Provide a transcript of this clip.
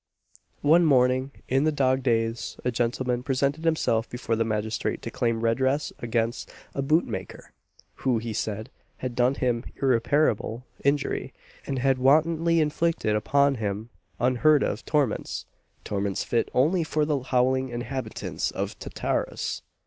One morning in the dog days, a gentleman presented himself before the magistrate to claim redress against a bootmaker, who, he said, had done him irreparable injury, and had wantonly inflicted upon him unheard of torments torments fit only for the howling inhabitants of Tartarus!